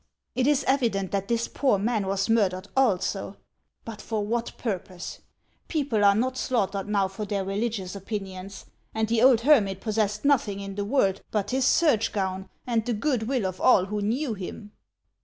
It is evident that this poor man was murdered also ; but for what purpose ? People are not slaughtered now for their religious opinions, and the old hermit possessed nothing in the world but his serge gown and the good will of all who knew him."